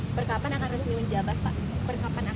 perkapan akan resmi menjabat pak